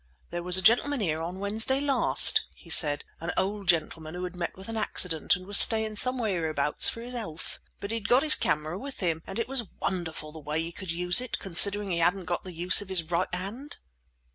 "There was a gentleman here on Wednesday last," he said; "an old gentleman who had met with an accident, and was staying somewhere hereabouts for his health. But he'd got his camera with him, and it was wonderful the way he could use it, considering he hadn't got the use of his right hand."